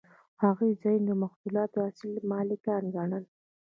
هغوی ځانونه د محصولاتو اصلي مالکان ګڼل